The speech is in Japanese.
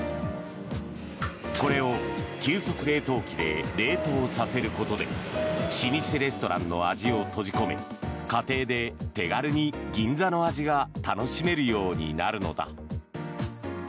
これを急速冷凍機で冷凍させることで老舗レストランの味を閉じ込め家庭で手軽に銀座の味が楽しめるようになるのだ。